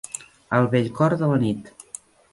Al bell cor de la nit.